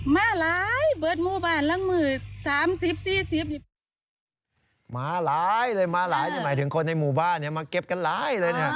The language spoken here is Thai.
มาร้ายมาร้ายมาร้ายหมายถึงคนในมุมบ้านมาเก็บกันมาร้ายเลยนะครับ